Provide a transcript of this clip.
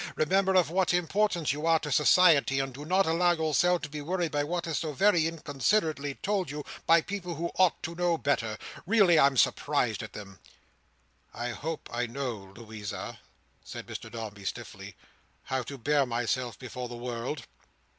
Remember of what importance you are to society, and do not allow yourself to be worried by what is so very inconsiderately told you by people who ought to know better. Really I'm surprised at them." "I hope I know, Louisa," said Mr Dombey, stiffly, "how to bear myself before the world."